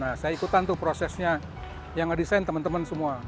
nah saya ikutan tuh prosesnya yang ngedesain teman teman semua